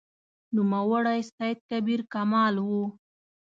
نوموړی سید کبیر کمال و.